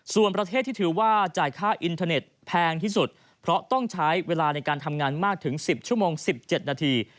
ส่วนประเทศที่ถือว่าจ่ายค่าอินเทอร์เน็ตแพงที่สุดเพราะต้องใช้เวลาในการทำงานมากถึง๑๐ชั่วโมง๑๗นาที